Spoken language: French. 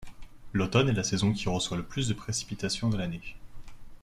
L'automne est la saison qui reçoit le plus de précipitations dans l'année.